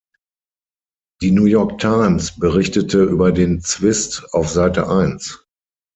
Die New York Times berichtete über den Zwist auf Seite Eins.